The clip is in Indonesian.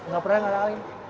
gak pernah ngerangin